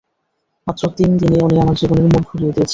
মাত্র তিন দিনে উনি আমার জীবনের মোড় ঘুরিয়ে দিয়েছেন।